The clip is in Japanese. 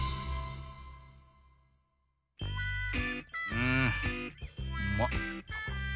うんうまっ！